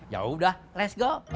yaudah let's go